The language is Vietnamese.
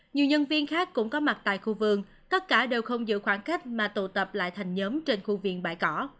nhiều nhân viên khác cũng có mặt tại khu vườn tất cả đều không giữ khoảng cách mà tụ tập lại thành nhóm trên khu vườn bãi cỏ